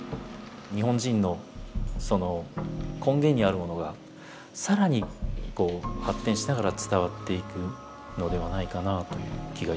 日本人の根源にあるものがさらに発展しながら伝わっていくのではないかなという気がいたします。